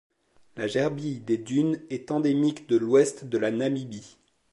La Gerbille des dunes est endémique de l'ouest de la Namibie.